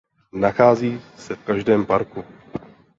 Nachází se v každém parku.